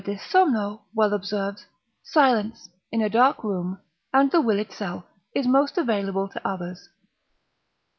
de somno, well observes, silence, in a dark room, and the will itself, is most available to others.